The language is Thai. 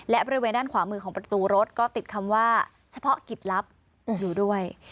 และบริเวณด้านขวามือของประตูรถก็ติดคำว่าเฉพาะกิจลับอยู่ด้วย